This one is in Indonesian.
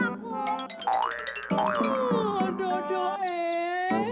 rumah sabah sarbagi ini